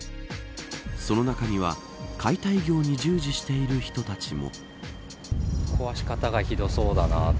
その中には解体業に従事している人たちも。